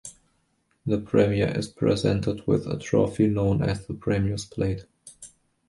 The Premier is presented with a trophy known as the Premier's Plate.